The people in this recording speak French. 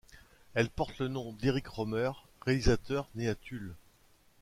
Elle porte le nom d'Eric Rohmer, réalisateur né à Tulle.